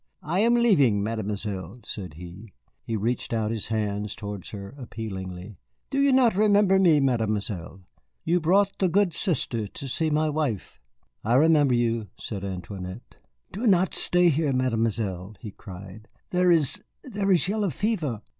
"I am leaving, Mademoiselle," said he. He reached out his hands toward her, appealingly. "Do you not remember me, Mademoiselle? You brought the good sister to see my wife." "I remember you," said Antoinette. "Do not stay here, Mademoiselle!" he cried. "There is there is yellow fever."